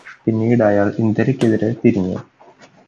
പിന്നീട് അയാള് ഇന്ദിരയ്ക്കെതിരെ തിരിഞ്ഞു.